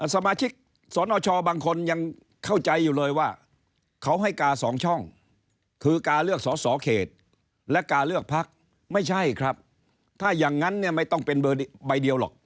สมาชิกสนชบางคนยังเข้าใจอยู่เลยว่าเขาให้กาสองช่องคือกาเลือกสอสอเขตและกาเลือกพักไม่ใช่ครับถ้าอย่างนั้นเนี่ยไม่ต้องเป็นใบเดียวหรอก